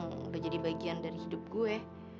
sudah jadi bagian dari hidup gue